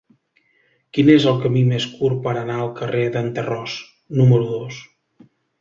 Quin és el camí més curt per anar al carrer d'en Tarròs número dos?